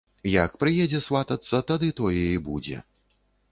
Як прыедзе сватацца, тады тое і будзе.